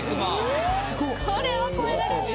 これは超えられない。